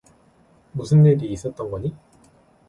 무슨 일이 있었던 거니?